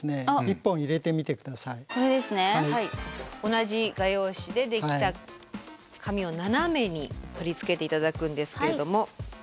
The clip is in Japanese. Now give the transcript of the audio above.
同じ画用紙でできた紙を斜めに取り付けて頂くんですけれども。